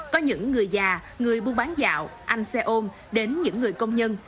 có những người già người buôn bán dạo anh xe ôm đến những người công nhân